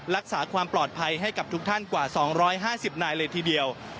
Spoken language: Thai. รักษาความปลอดภัยให้กับทุกท่านกว่า๒๕๐นายเลยทีเดียว